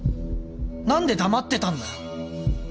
何で黙ってたんだよ！